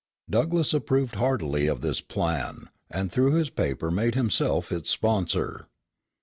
Douglass approved heartily of this plan, and through his paper made himself its sponsor.